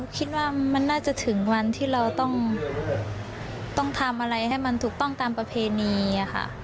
คิดว่ามันน่าจะถึงวันที่เราต้องทำอะไรให้มันถูกต้องตามประเพณีค่ะ